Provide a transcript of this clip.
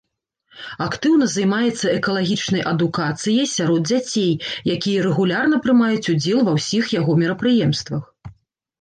Актыўна займаецца экалагічнай адукацыяй сярод дзяцей, якія рэгулярна прымаюць удзел ва ўсіх яго мерапрыемствах.